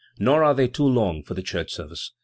Nor are they too long for the church service.